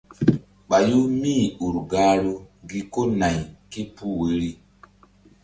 Ɓayu míur gahru gi ko nay képuh woyri.